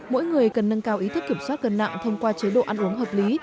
mỗi người cần nâng cao ý thức kiểm soát cân nặng thông qua chế độ ăn uống hợp lý